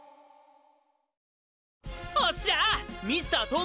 おっしゃー！